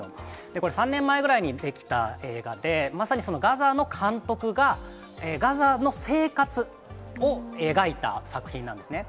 これ、３年前ぐらいに出来た映画で、まさにガザの監督が、ガザの生活を描いた作品なんですね。